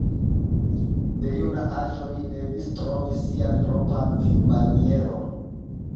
De juna aĝo li devis trovi sian propran vivmanieron.